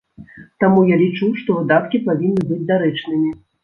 Таму я лічу, што выдаткі павінны быць дарэчнымі.